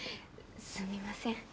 すみません。